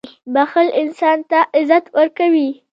• بښل انسان ته عزت ورکوي.